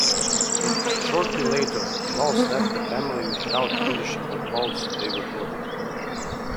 Shortly later, Claus left the family without finishing the house they were building.